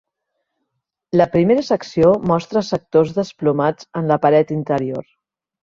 La primera secció mostra sectors desplomats en la paret interior.